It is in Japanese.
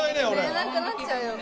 寝れなくなっちゃうよ。